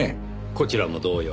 こちらも同様。